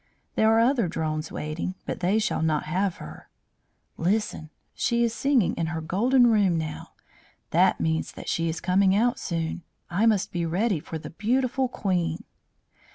There are other drones waiting, but they shall not have her. Listen she is singing in her golden room now. That means that she is coming out soon. I must be ready for the beautiful Queen."